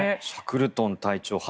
シャクルトン隊長